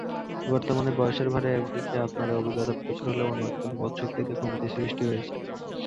বর্তমানে বয়সের ভারে একদিকে আপনার অভিজ্ঞতা প্রচুর হলেও অন্যদিকে বোধশক্তিতে কমতি সৃষ্টি হয়েছে।